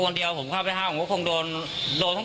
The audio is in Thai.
โดนถึงโต้ตีนก็คงโดน